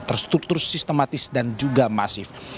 terstruktur sistematis dan juga masif